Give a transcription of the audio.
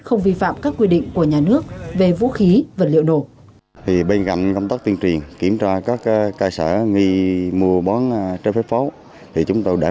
không vi phạm các quy định của nhà nước về vũ khí vật liệu nổ